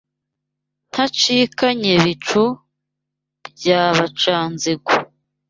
Ntancikanye Bicu bya Bacanzigo